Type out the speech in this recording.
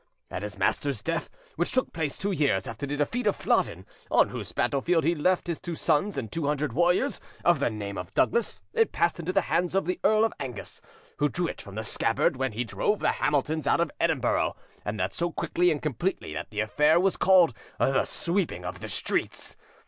At his master's death, which took place two years after the defeat of Flodden, on whose battlefield he left his two sons and two hundred warriors of the name of Douglas, it passed into the hands of the Earl of Angus, who drew it from the scabbard when he drove the Hamiltons out of Edinburgh, and that so quickly and completely that the affair was called the 'sweeping of the streets.